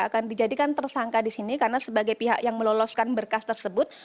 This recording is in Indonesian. akan dijadikan tersangka di sini karena sebagai pihak yang meloloskan berkas tersebut